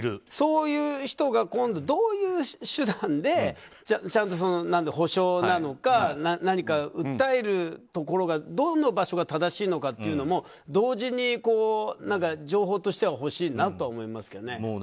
そういう人が、どういう手段で補償なのか、何か訴えるところがどの場所が正しいのかというのも同時に情報としては欲しいなと思いますけどね。